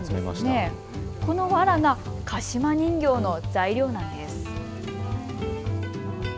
このわらが鹿島人形の材料なんです。